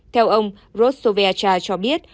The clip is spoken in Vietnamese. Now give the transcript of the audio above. theo ông rosso vecha cho biết